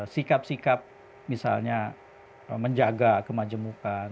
sikap sikap misalnya menjaga kemajemukan